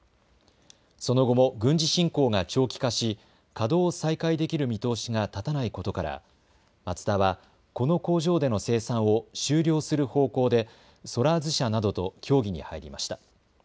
その後も軍事侵攻が長期化し稼働を再開できる見通しが立たないことからマツダはこの工場での生産を終了する方向でソラーズ社などと協議に入りました。